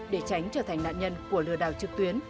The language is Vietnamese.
để tránh trở thành nạn nhân của lừa đảo trực tuyến